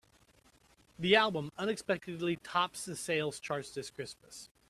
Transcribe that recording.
The album unexpectedly tops the sales chart this Christmas.